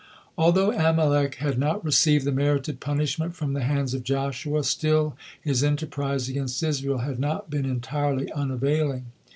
Although Amalek had not received the merited punishment from the hands of Joshua, still his enterprise against Israel had not been entirely unavailing.